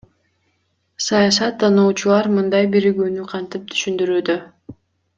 Саясат тануучулар мындай биригүүнү кантип түшүндүрүүдө?